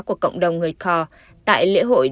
của cộng đồng người kho tại lễ hội